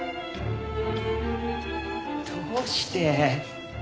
どうして？